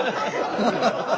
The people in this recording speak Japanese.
ハハハハハ！